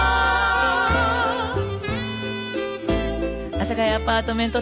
阿佐ヶ谷アパートメント